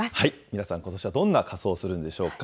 皆さん、ことしはどんな仮装するんでしょうか。